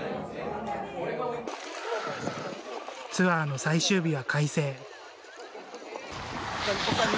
ツアーの最終日は快晴。